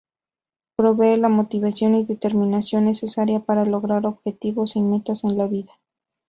Provee la motivación y determinación necesaria para lograr objetivos y metas en la vida.